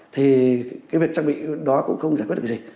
thì cái việc trang bị đó cũng không giải quyết được gì